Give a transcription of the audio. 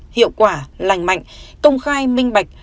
hiệu quả lành mạnh công khai minh bạch